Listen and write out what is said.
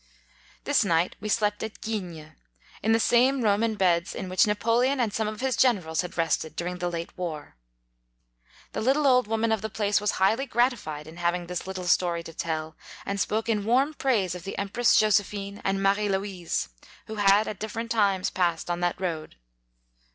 This night we slept at Guignes, in the same room and beds in which Napoleon and some of his Generals had rested dining the late war. The little old woman of the place was highly gratified in having this lit tle story to tell, and spoke in warm praise of the Empress Josephine and Marie Louise, who had at different .times passed on that road.